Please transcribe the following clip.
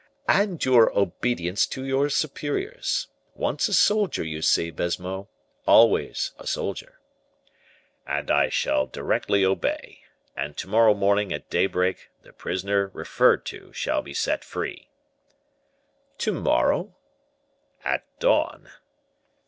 "And your obedience to your superiors. Once a soldier, you see, Baisemeaux, always a soldier." "And I shall directly obey; and to morrow morning, at daybreak, the prisoner referred to shall be set free." "To morrow?" "At dawn."